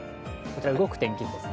動く天気図です。